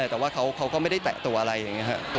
แต่ว่าเขาก็ไม่ได้แตะตัวอะไรอย่างนี้ครับ